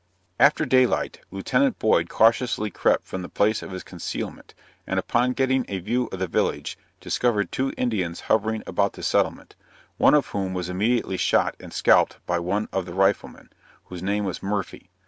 After day light, Lieut. Boyd cautiously crept from the place of his concealment, and upon getting a view of the village, discovered two Indians hovering about the settlement: one of whom was immediately shot and scalped by one of the riflemen, whose name was Murphy.